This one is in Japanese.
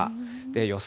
予想